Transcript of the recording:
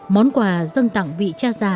món quà dân tặng vị cha già